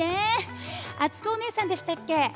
あつこおねえさんでしたっけ？